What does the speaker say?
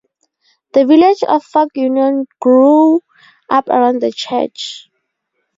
The village of Fork Union grew up around the Church.